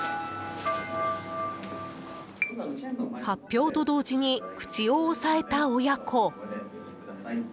発表と同時に口を押さえた親子。